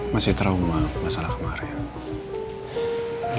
masih trauma masalah kemarin